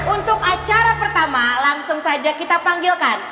untuk acara pertama langsung saja kita panggilkan